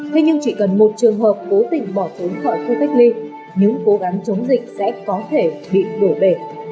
thế nhưng chỉ cần một trường hợp cố tình bỏ trốn khỏi khu cách ly những cố gắng chống dịch sẽ có thể bị đổi bể